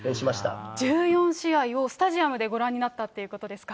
１４試合を、スタジアムでご覧になったっていうことですか？